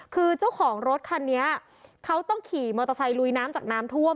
คือเจ้าของรถคันนี้เขาต้องขี่มอเตอร์ไซค์ลุยน้ำจากน้ำท่วม